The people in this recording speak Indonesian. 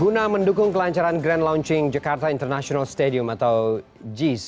guna mendukung kelancaran grand launching jakarta international stadium atau jis